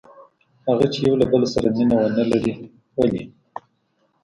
هغه چې یو له بل سره مینه ونه لري؟ ولې؟